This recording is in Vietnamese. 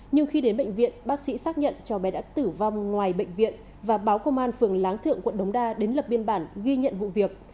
nhưng khi đến bệnh viện bác sĩ xác nhận cháu bé đã tử vong ngoài bệnh viện và báo công an phường láng thượng quận đống đa đến lập biên bản ghi nhận vụ việc